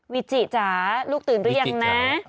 วิจิจ๋าลูกตื่นหรือยังนะ